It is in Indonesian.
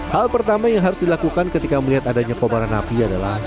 hal pertama yang harus dilakukan ketika melihat adanya kobaran api adalah